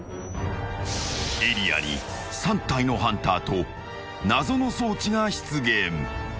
［エリアに３体のハンターと謎の装置が出現］